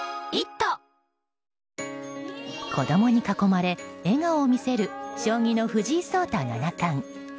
子供に囲まれ笑顔を見せる将棋の藤井聡太七冠。